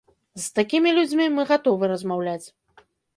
З такімі людзьмі мы гатовы размаўляць.